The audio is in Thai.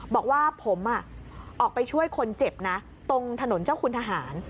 บอกว่าผมออกไปช่วยคนเจ็บนะตรงถนนเจ้าคุณทหาร